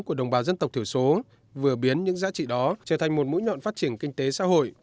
của đồng bào dân tộc thiểu số vừa biến những giá trị đó trở thành một mũi nhọn phát triển kinh tế xã hội